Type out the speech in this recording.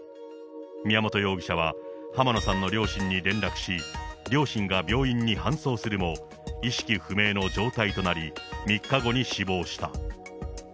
宮本容疑者は浜野さんの両親に連絡し、両親が病院に搬送するも、意識不明の状態となり、３日後に死亡した。